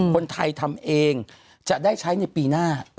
คนไทยทำเองจะได้ใช้ในปีหน้า